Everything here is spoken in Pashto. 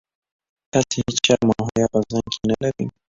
تاسي هیڅ شرم او حیا په ځان کي نه لرئ.